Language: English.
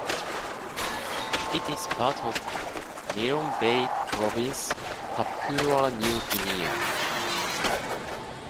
It is part of Milne Bay Province, Papua New Guinea.